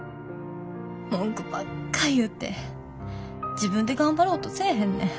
文句ばっか言うて自分で頑張ろうとせえへんねん。